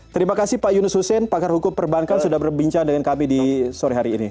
terima kasih pak yunus hussein pakar hukum perbankan sudah berbincang dengan kami di sore hari ini